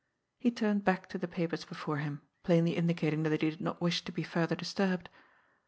He turned back to the papers before him, plainly indicating that he did not wish to be further disturbed.